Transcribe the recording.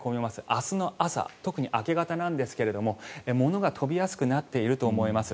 明日の朝、特に明け方なんですが物が飛びやすくなっていると思います。